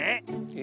え。